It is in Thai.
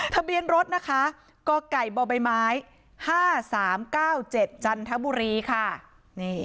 ทะเบียนรถนะคะก็ไก่บ่อใบไม้ห้าสามเก้าเจ็ดจันทบุรีค่ะนี่